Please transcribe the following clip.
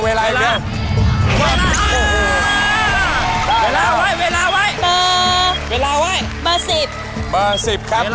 เวลาไว้